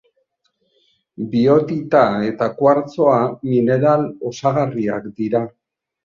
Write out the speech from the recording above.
Biotita eta kuartzoa mineral osagarriak dira.